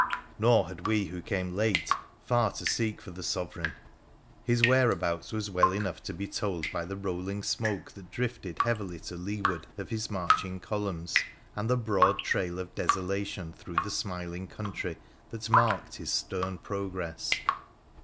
Nor had we who came late far to seek for the Sovereign. His whereabouts was well enough to be told by the rolling smoke that drifted heavily to leeward of his marching columns and the broad trail of desolation through the smiling country that marked his stern progress.